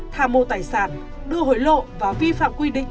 tham mô tài sản đưa hối lộ và vi phạm quy định